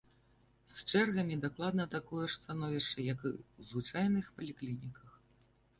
З чэргамі дакладна такое ж становішча як і ў звычайных паліклініках.